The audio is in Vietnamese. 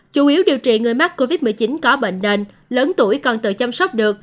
chủ yếu điều trị người mắc covid một mươi chín có bệnh nền lớn tuổi còn tự chăm sóc được